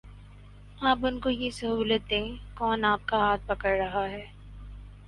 آپ ان کو یہ سہولت دیں، کون آپ کا ہاتھ پکڑ رہا ہے؟